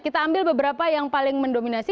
kita ambil beberapa yang paling mendominasi